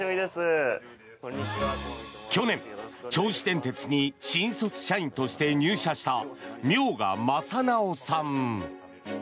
去年、銚子電鉄に新卒社員として入社した明賀雅直さん。